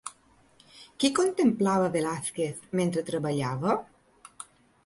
Qui contemplava a Velázquez mentre treballava?